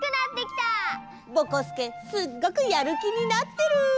ぼこすけすっごくやるきになってる！